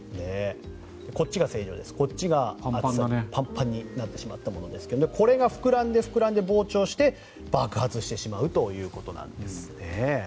こっちが正常でこっちがパンパンになってしまったものですがこれが膨らんで膨らんで膨張して爆発してしまうということなんですね。